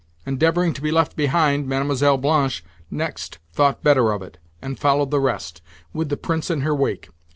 Endeavouring to be left behind, Mlle. Blanche next thought better of it, and followed the rest, with the Prince in her wake.